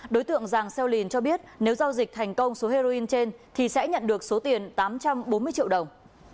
đối tượng giàng xeo lìn cho biết nếu giao dịch thành công số heroin trên thì sẽ nhận được số tiền tám trăm bốn mươi triệu đồng